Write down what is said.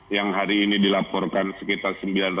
yang hari ini dilaporkan sekitar sembilan ratus enam puluh lima